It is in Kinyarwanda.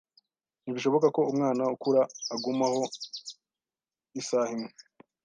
Ntibishoboka ko umwana ukura agumaho isaha imwe.